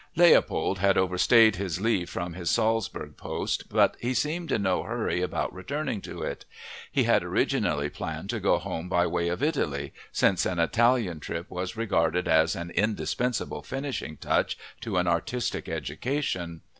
Leopold had overstayed his leave from his Salzburg post but he seemed in no hurry about returning to it. He had originally planned to go home by way of Italy, since an Italian trip was regarded as an indispensable finishing touch to an artistic education.